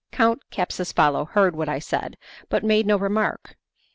Count Capsucefalo heard what I said, but made no remark.